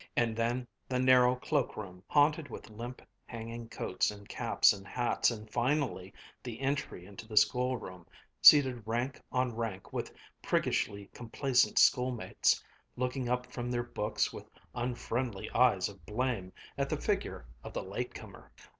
And then the narrow cloakroom, haunted with limp, hanging coats and caps and hats, and finally the entry into the schoolroom, seated rank on rank with priggishly complacent schoolmates, looking up from their books with unfriendly eyes of blame at the figure of the late comer.